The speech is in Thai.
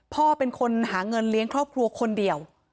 พ่อเป็นคนหาเงินเลี้ยงครอบครัวคนเดียว